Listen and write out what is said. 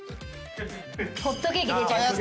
ホットケーキ出ちゃった。